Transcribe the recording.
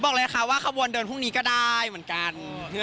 บอกเลยค่ะว่าขบวนเดินพรุ่งนี้ก็ได้เหมือนกัน